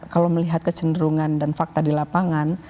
kalau melihat kecenderungan dan fakta di lapangan